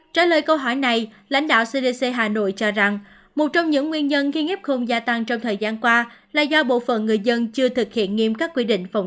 trả lời câu hỏi này lãnh đạo cdc hà nội cho rằng một trong những nguyên nhân khiếp khung gia tăng trong thời gian qua là do bộ phận người dân chưa thực hiện nghiêm các quy định phòng